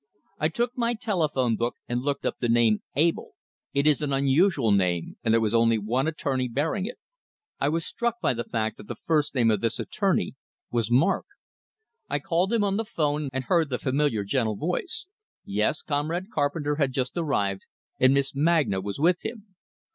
I took my telephone book, and looked up the name Abell. It is an unusual name, and there was only one attorney bearing it. (I was struck by the fact that the first name of this attorney was Mark.) I called him on the phone, and heard the familiar gentle voice. Yes, Comrade Carpenter had just arrived, and Miss Magna was with him.